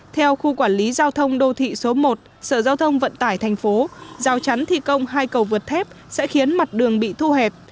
theo khu quản lý giao thông đô thị số một sở giao thông vận tải thành phố giao chắn thi công hai cầu vượt thép sẽ khiến mặt đường bị thu hẹp